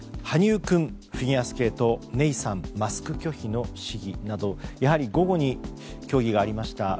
羽生君、フィギュアスケートネイサンマスク拒否の市議などやはり午後に競技がありました